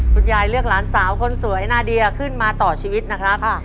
คุณยายเลือกหลานสาวคนสวยนาเดียขึ้นมาต่อชีวิตนะครับ